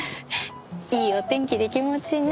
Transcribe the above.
いいお天気で気持ちいいね。